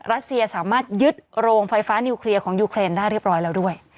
รัสเซียสามารถยึดโรงไฟฟ้านิวเคลียร์ของยูเครนได้เรียบร้อยแล้วด้วย